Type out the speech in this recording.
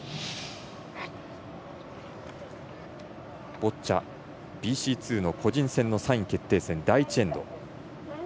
ボッチャＢＣ２の個人戦の３位決定戦第１エンド。